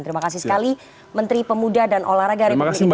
terima kasih sekali menteri pemuda dan olahraga republik indonesia